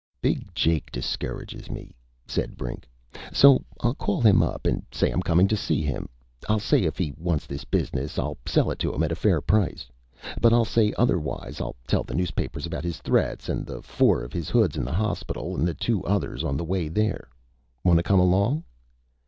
"Big Jake discourages me," said Brink. "So I'll call him up and say I'm coming to see him. I'll say if he wants this business I'll sell it to him at a fair price. But I'll say otherwise I'll tell the newspapers about his threats and the four of his hoods in the hospital and the two others on the way there. Want to come along?"